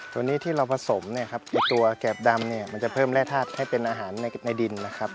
ตัวนี้ที่เราผสมเนี่ยครับไอ้ตัวแกบดำเนี่ยมันจะเพิ่มแร่ธาตุให้เป็นอาหารในดินนะครับ